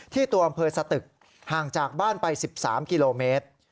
ตัวอำเภอสตึกห่างจากบ้านไป๑๓กิโลเมตร